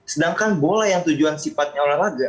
sedangkan bola yang tujuan sifatnya olahraga